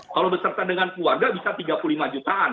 kalau beserta dengan keluarga bisa tiga puluh lima jutaan